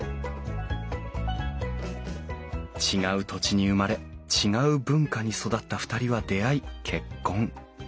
違う土地に生まれ違う文化に育った２人は出会い結婚。